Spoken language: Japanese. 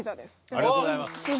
ありがとうございます。